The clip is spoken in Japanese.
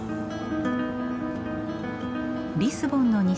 リスボンの西